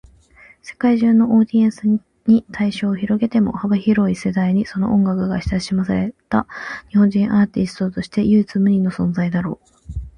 世界中のオーディエンスに対象を広げても、幅広い世代にその音楽が親しまれた日本人アーティストとして唯一無二の存在だろう。